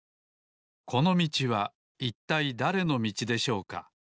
このみちはいったいだれのみちでしょうか？